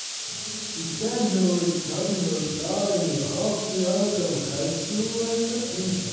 The Saint Louis Cardinals signed Hafey out of high school as a pitcher.